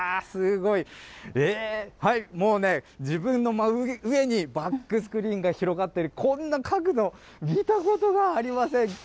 すごい、もうね、自分の真上にバックスクリーンが広がっている、こんな角度、見たことがありません。